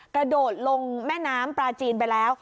กระโดดลงแม่น้ำปลาจีนไปแล้ว